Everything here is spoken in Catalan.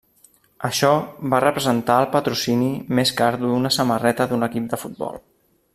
Això va representar el patrocini més car d'una samarreta d'un equip de futbol.